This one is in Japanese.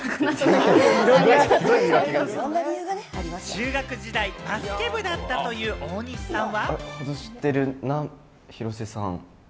中学時代、バスケ部だったという大西さんは。